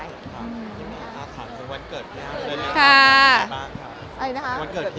วันเกิดพี่อ้ำ